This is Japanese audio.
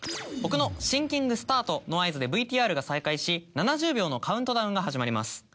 僕のシンキングスタートの合図でＶＴＲが再開し７０秒のカウントダウンが始まります。